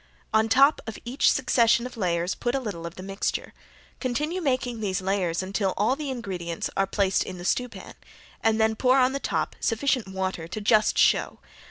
On top of each succession of layers put a little of the mixture. Continue making these layers until all the ingredients are placed in the stewpan, and then pour on the top sufficient water to just show.